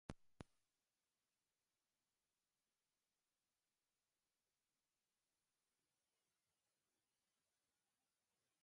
তাঁহারা প্রত্যেকেই যে-অবজ্ঞাদৃষ্টিতে আমার দিকে চাহিলেন, তাহা এখনও আমার স্মরণ আছে।